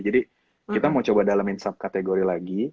jadi kita mau coba dalemin sub kategori lagi